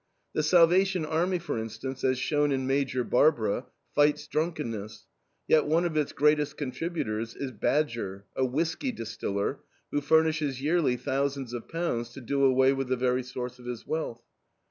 The Salvation Army, for instance, as shown in MAJOR BARBARA, fights drunkenness; yet one of its greatest contributors is Badger, a whiskey distiller, who furnishes yearly thousands of pounds to do away with the very source of his wealth.